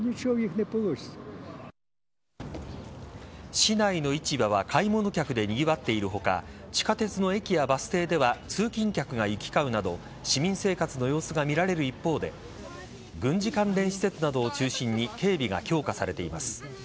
市内の市場は買い物客でにぎわっている他地下鉄の駅やバス停では通勤客が行き交うなど市民生活の様子が見られる一方で軍事関連施設などを中心に警備が強化されています。